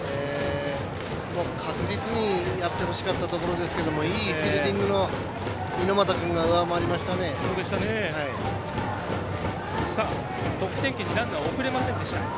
確実にやってほしかったところですけどいいフィールディングの猪俣くんが上回りましたね。